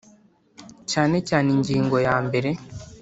Cyane cyane ingingo ya mbere